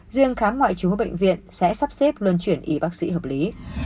duyên khám ngoại trú bệnh viện sẽ sắp xếp luân chuyển y bác sĩ hợp lý